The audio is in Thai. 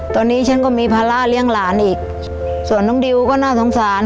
ตอนนี้ฉันก็มีภาระเลี้ยงหลานอีกส่วนน้องดิวก็น่าสงสาร